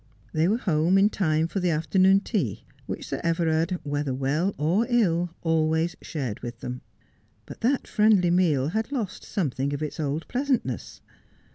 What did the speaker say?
They were home in timo for the afternoon tea, which Sir Everard, whether well or ill, always shared with them. But that friendly meal had lost some thing of its old pleasantness.